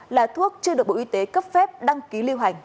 là thuốc chưa được bộ y tế cấp phép đăng ký lưu hành